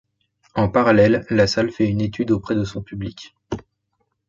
En parallèle, la salle fait une étude auprès de son public.